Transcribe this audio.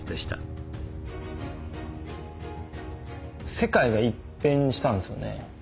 世界が一変したんですよね。